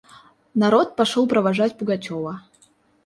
Народ пошел провожать Пугачева.